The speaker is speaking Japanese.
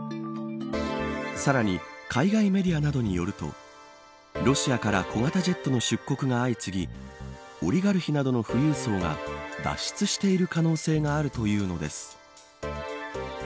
さらに海外メディアなどによるとロシアから小型ジェットの出国が相次ぎオリガルヒなどの富裕層が脱出している可能性があるというのです。